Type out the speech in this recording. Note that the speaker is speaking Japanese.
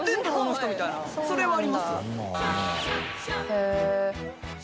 へえ。